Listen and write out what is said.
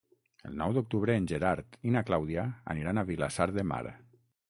El nou d'octubre en Gerard i na Clàudia aniran a Vilassar de Mar.